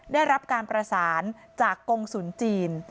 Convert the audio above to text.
ได้รับการประสานจากกงศูนย์จีน